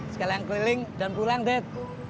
sekalian keliling dan pulang deh